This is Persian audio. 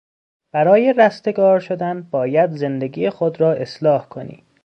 برای رستگار شدن باید زندگی خودت را اصلاح کنی.